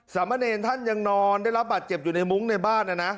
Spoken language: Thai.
สามเณรท่านยังนอนได้รับบาดเจ็บอยู่ในมุ้งในบ้านนะนะ